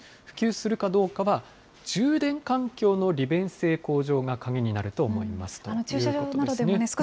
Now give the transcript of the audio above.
普及するかどうかは、充電環境の利便性向上が鍵になると思いますということですね。